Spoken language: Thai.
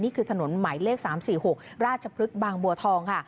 นี่คือถนนหมายเลข๓๔๖ราชพลึกบางบัวทองค่ะ